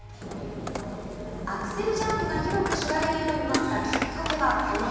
アクセルジャンプが広く知られるようになったきっかけはこの人。